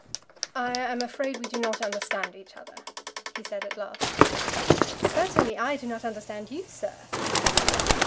"I am afraid we do not understand each other," he said at last. "Certainly I do not understand you, sir."